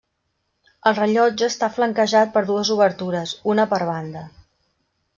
El rellotge està flanquejat per dues obertures, una per banda.